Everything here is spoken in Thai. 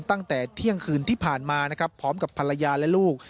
ตั้งแต่เที่ยงคืนที่ผ่านมานะครับพร้อมกับภรรยาและลูก